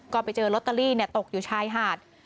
ก็ไปเจอลอตเตอรี่ตกอยู่ชายหาด